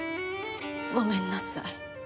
ごめんなさい。